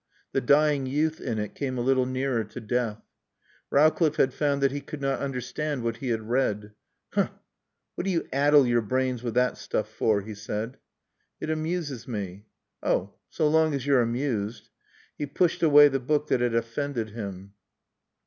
The dying youth in it came a little nearer to death. Rowcliffe had found that he could not understand what he had read. "Huh! What do you addle your brains with that stuff for?" he said. "It amuses me." "Oh so long as you're amused." He pushed away the book that had offended him.